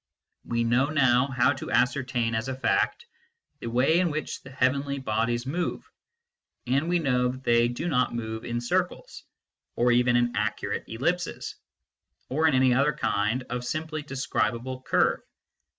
We know now how to ascertain as a fact the way in which the heavenly bodies move, and we know that they do not move in circles, or even in accurate ellipses, or in any other kind of simply de scribable curve.